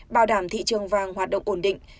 bảo đảm thị trường vàng hoạt động ổn định